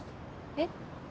えっ？